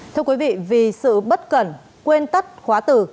thưa quý vị vì sự bất cẩn quên tắt khóa từ